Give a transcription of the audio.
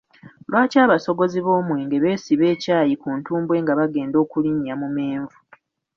Lwaki abasogozi b'omwenge beesiba ekyayi ku ntumbwe nga bagenda okulinnya mu menvu?